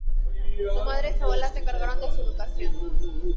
Su madre y su abuela se encargaron de su educación.